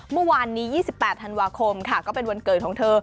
เมื่อวานนี้๒๘ธันวาคมค่ะก็เป็นวันเกิดของเธอ